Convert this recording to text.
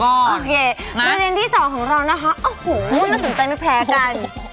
โอเคประเด็นที่สองของเรานะคะโอ้โหน่าสนใจไม่แพ้กัน